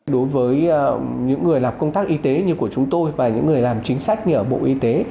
đối với những người làm công tác y tế như của chúng tôi và những người làm chính sách như ở bộ y tế